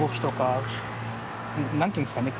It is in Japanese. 何て言うんですかね